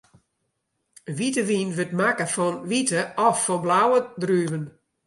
Wite wyn wurdt makke fan wite of fan blauwe druven.